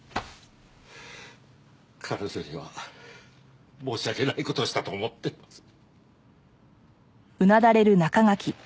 彼女には申し訳ない事をしたと思っています。